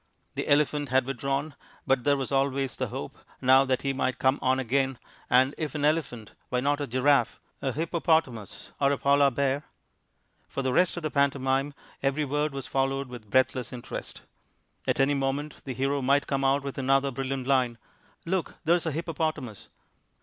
The elephant had withdrawn, but there was always the hope now that he might come on again, and if an elephant, why not a giraffe, a hippopotamus, or a polar bear? For the rest of the pantomime every word was followed with breathless interest. At any moment the hero might come out with another brilliant line "Look, there's a hippopotamus."